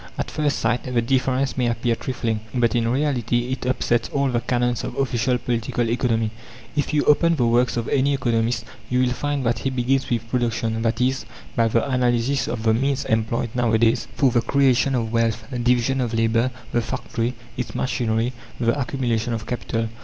At first sight the difference may appear trifling, but in reality it upsets all the canons of official Political Economy. If you open the works of any economist you will find that he begins with PRODUCTION, i. e., by the analysis of the means employed nowadays for the creation of wealth: division of labour, the factory, its machinery, the accumulation of capital.